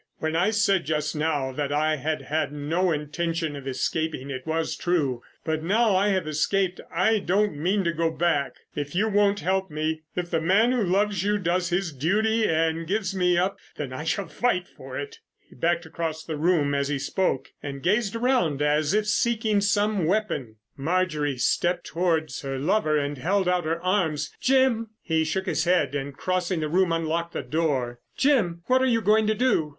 When I said just now that I had had no intention of escaping it was true. But now I have escaped I don't mean to go back. If you won't help me, if the man who loves you does his duty and gives me up, then I shall fight for it." He backed across the room as he spoke, and gazed around as if seeking for some weapon. Marjorie stepped towards her lover and held out her arms. "Jim!" He shook his head, and crossing the room unlocked the door. "Jim! What are you going to do?"